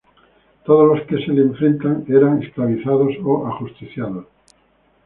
Todos los que se le enfrentaban eran esclavizados o ajusticiados.